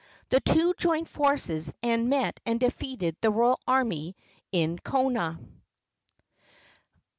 The two joined forces, and met and defeated the royal army in Kona.